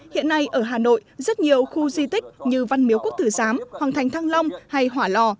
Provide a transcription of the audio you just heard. hiện nay ở hà nội rất nhiều khu di tích như văn miếu quốc tử giám hoàng thành thăng long hay hỏa lò